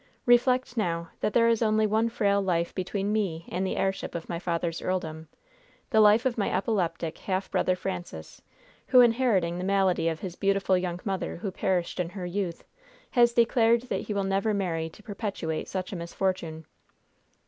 Reflect now, that there is only one frail life between me and the heirship of my father's earldom the life of my epileptic half brother Francis, who, inheriting the malady of his beautiful young mother who perished in her youth, has declared that he will never marry to perpetuate such a misfortune."